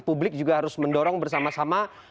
publik juga harus mendorong bersama sama